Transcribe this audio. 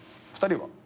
２人は？